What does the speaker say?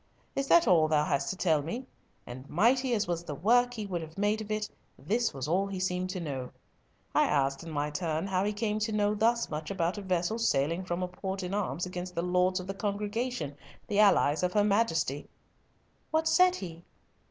Is that all thou hast to tell me? And mighty as was the work he would have made of it, this was all he seemed to know. I asked, in my turn, how he came to know thus much about a vessel sailing from a port in arms against the Lords of the Congregation, the allies of her Majesty?" "What said he?"